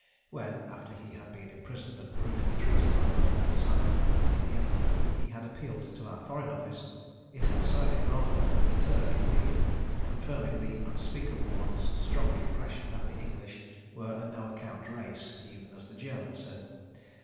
(When, after he had been imprisoned and brutally treated by them at Sanaa, in the Yemen, he had appealed to our Foreign Office, it had sided rather with the Turk indeed, confirming the Unspeakable One's strong impression that the English were a no account race, even as the Germans said.)